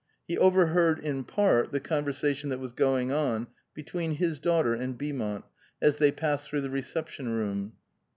He overheard in part the conversation that was going on between his daughter and Beaumont, as they passed through the reception room.